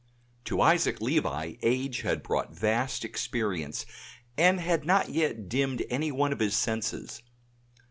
To Isaac Levi age had brought vast experience, and had not yet dimmed any one of his senses.